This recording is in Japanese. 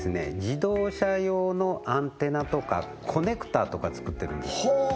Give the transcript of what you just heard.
自動車用のアンテナとかコネクタとかつくってるんですほ！